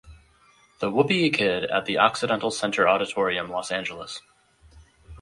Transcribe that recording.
"The Whoopee Kid," at the Occidental Center Auditorium, Los Angeles.